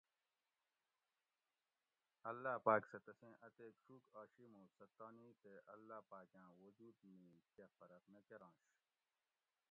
اللّٰہ پاۤک سہ تسیں اتیک شوک آشی مو سہ تانی تے اللّٰہ پاک آں وجود می کہۤ فرق نہ کرش